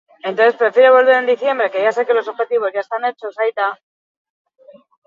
Bataiatutako orok apaiza izateko gaitasuna duela defendatu zuen.